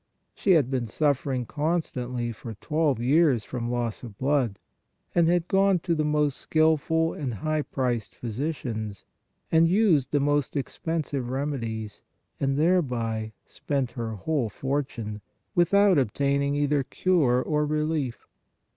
She had been suffering constantly for twelve years from loss of blood, and had gone to the most skilful and high priced physicians and used the most expensive remedies and thereby spent her whole fortune, without obtaining either cure or relief.